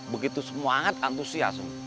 begitu semuanya antusias